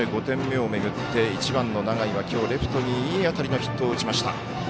５点目を巡って１番の永井はきょうレフトにいい当たりのヒットを打ちました。